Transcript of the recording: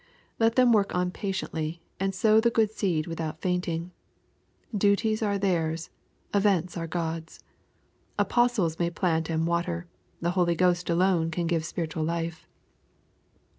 Let them workjm paitieatly, and sow the good seed without fainting. Dutigs, are theirs. Events are God's. Apostles may plant and water. The Holy Ghost alone can give spiritual life.